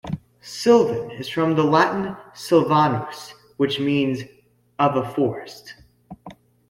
"Sylvan" is from the Latin "sylvanus", which means "of a forest".